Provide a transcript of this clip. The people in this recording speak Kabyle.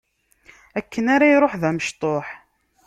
Akken ara iruḥ d amecṭuḥ.